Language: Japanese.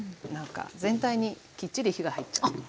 なんか全体にきっちり火が入っちゃう。